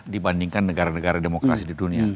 dibandingkan negara negara demokrasi di dunia